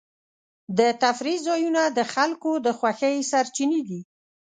د تفریح ځایونه د خلکو د خوښۍ سرچینې دي.